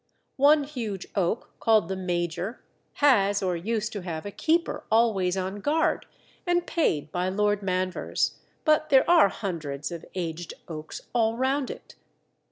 One huge oak (called the Major) has or used to have a keeper always on guard and paid by Lord Manvers, but there are hundreds of aged oaks all round it.